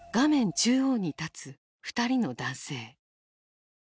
中央に立つ２人の男性。